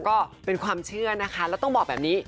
ก็เป็นความเชื่อนะคะแล้วต้องบอกแบบนี้